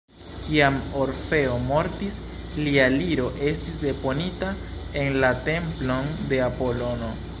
Kiam Orfeo mortis, lia liro estis deponita en la templon de Apolono.